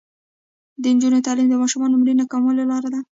د نجونو تعلیم د ماشومانو مړینې کمولو لاره ده.